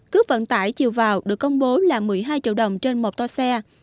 cước vận tải chiều vào được công bố là một mươi hai triệu đồng trên một toa xe